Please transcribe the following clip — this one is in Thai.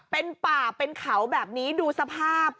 เป็นป่าเป็นเขาแบบนี้ดูสภาพ